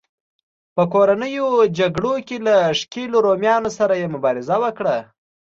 په کورنیو جګړو کې له ښکېلو رومیانو سره یې مبارزه وکړه